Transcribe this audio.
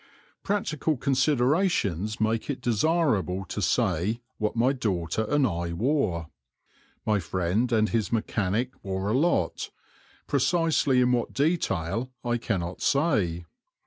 Practical considerations make it desirable to say what my daughter and I wore. My friend and his mechanic wore a lot, precisely in what detail I cannot say.